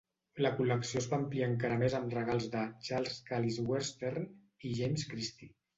La col·lecció es va ampliar encara més amb regals de Charles Callis Western i James Christie.